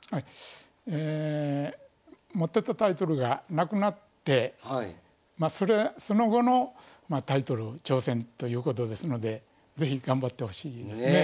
え持ってたタイトルがなくなってその後のタイトル挑戦ということですので是非頑張ってほしいですね。